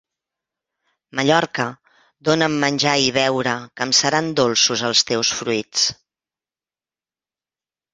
Mallorca, dona'm menjar i beure, que em seran dolços els teus fruits.